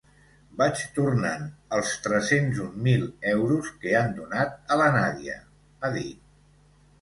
Vaig tornant els tres-cents un mil euros que han donat a la Nadia, ha dit.